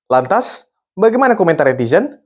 lantas bagaimana komentar netizen